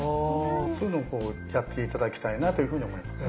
そういうのをやって頂きたいなというふうに思います。